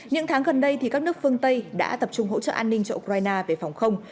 những tháng gần đây các nước phương tây đã tập trung hỗ trợ an ninh cho ukraine về phòng không